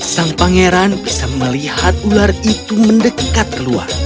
sang pangeran bisa melihat ular itu mendekat keluar